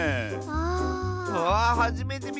ああはじめてみたッス！